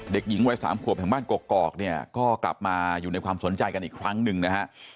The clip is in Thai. เด็กหญิงวัยสามขวบแห่งบ้านกอกเนี่ยก็กลับมาอยู่ในความสนใจกันอีกครั้งหนึ่งนะฮะ